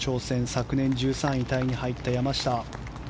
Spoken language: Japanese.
昨年１３位タイに入った山下。